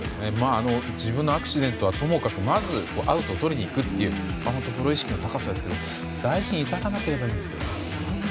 自分のアクシデントはともかくまず、アウトを取りにいくプロ意識の高さですが大事に至らなければいいですが。